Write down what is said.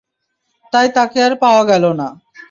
তাই তাকে আর পাওয়া গেল না।